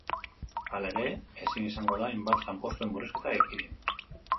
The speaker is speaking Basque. Hala ere, ezin izango da hainbat lanpostuen murrizketa ekidin.